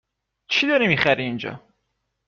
چی داری می خری اینجا؟